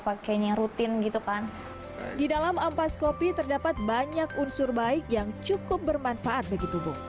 pakainya rutin gitu kan di dalam ampas kopi terdapat banyak unsur baik yang cukup bermanfaat bagi tubuh